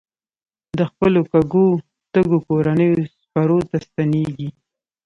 د خپلو وږو تږو کورنیو څپرو ته ستنېږي.